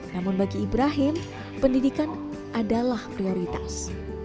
namun bagi ibrahim pendidikan adalah prioritas